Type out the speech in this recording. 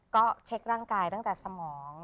ก็เช็คร่างกายตั้งแต่สมอง